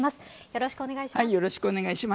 よろしくお願いします。